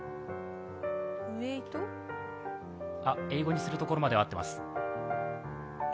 英語にするところまでは合ってます。